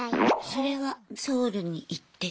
それはソウルに行ってですか？